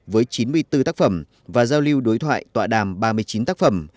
với chín mươi bốn tác phẩm và giao lưu đối thoại tọa đàm ba mươi chín tác phẩm